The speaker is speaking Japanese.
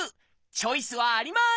チョイスはあります！